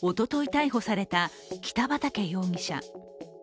逮捕された北畠容疑者。